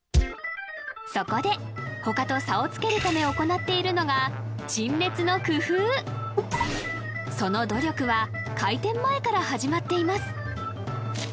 そこで他と差をつけるため行っているのがその努力は開店前から始まっています